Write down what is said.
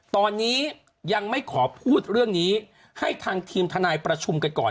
ตอนนี้ยังไม่ขอพูดเรื่องนี้ให้ทางทีมทนายประชุมกันก่อน